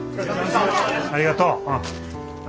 ありがとう。